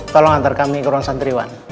tolong antar kami ke ruang santriwan